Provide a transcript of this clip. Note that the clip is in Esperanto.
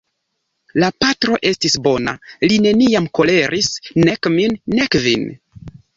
La patro estis bona, li neniam koleris, nek min, nek vin.